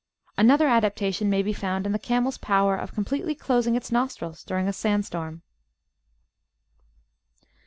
Another adaptation may be found in the Camel's power of completely closing its nostrils during a sand storm.